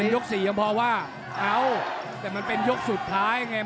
มั่นใจว่าจะได้แชมป์ไปพลาดโดนในยกที่สามครับเจอหุ้กขวาตามสัญชาตยานหล่นเลยครับ